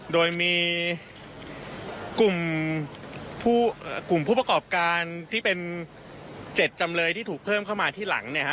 โดยมีกลุ่มประกอบการ๗จำเลยที่ถึงเกิดเข้ามาที่หลัง